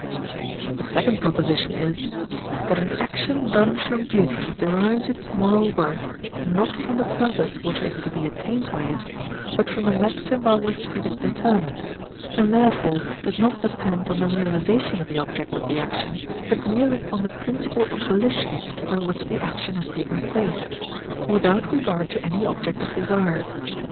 The second proposition is: That an action done from duty derives its moral worth, not from the purpose which is to be attained by it, but from the maxim by which it is determined, and therefore does not depend on the realization of the object of the action, but merely on the principle of volition by which the action has taken place, without regard to any object of desire.